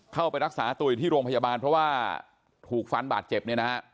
เข้าไปรักษาตัวอยู่ที่โรงพยาบาลเพราะว่าถูกฟันบาดเจ็บเนี่ยนะฮะ